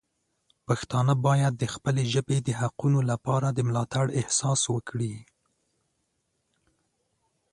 پښتانه باید د خپلې ژبې د حقونو لپاره د ملاتړ احساس وکړي.